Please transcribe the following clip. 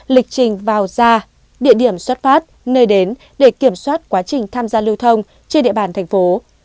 lịch trình vào ra địa điểm xuất phát nơi đến để kiểm soát quá trình tham gia lưu thông trên địa bàn thành phố